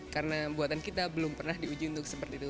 karena buatan kita belum pernah diuji untuk seperti itu